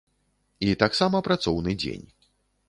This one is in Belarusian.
І таксама працоўны дзень.